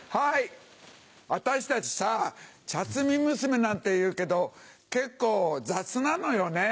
私たちさ茶摘み娘なんていうけど結構雑なのよね。